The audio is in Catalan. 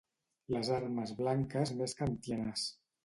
Les armes blanques més kantianes.